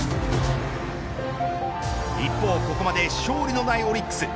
一方、ここまで勝利のないオリックス。